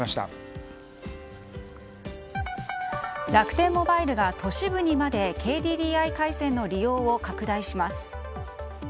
楽天モバイルが都市部にまでＫＤＤＩ回線の利用を拡大します。